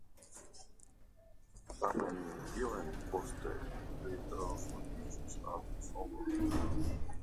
Tamen iom poste li translokiĝis al Usono.